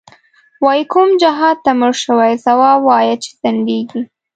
وایې کوم جهادته مړ شوی، ځواب وایه چی ځندیږی